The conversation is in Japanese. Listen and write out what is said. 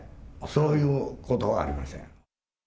そういうことはありません。